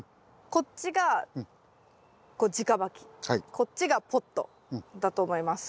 こっちがポットだと思います。